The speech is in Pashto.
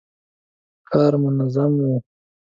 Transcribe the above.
ښار منظم و.